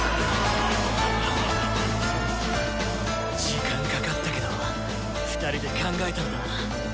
時間かかったけど２人で考えたんだ。